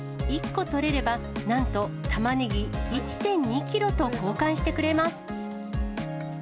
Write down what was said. １個取れれば、なんとたまねぎ１．２キロと交換してくれます。